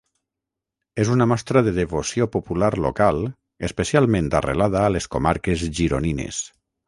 És una mostra de devoció popular local especialment arrelada a les comarques gironines.